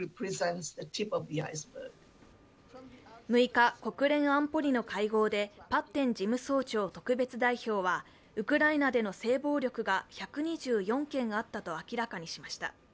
６日、国連安保理の会合でパッテン事務総長特別代表はウクライナでの性暴力が１２４件あったと明らかにしました。